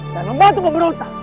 dan membantu pemberontak